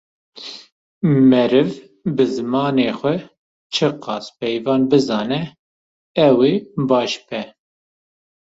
Meriv bi zimanê xwe çi qas peyvan bizane ew ê baş be.